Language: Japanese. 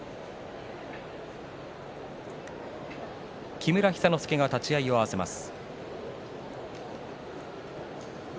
木村寿之介が立ち合いを合わせます。